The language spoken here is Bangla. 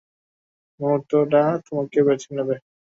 মুহূর্তটা তোমাকে বেছে নেবে।